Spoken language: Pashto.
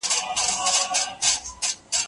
د تمدن وده د یوې ودانۍ په څېر ده.